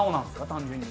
単純に。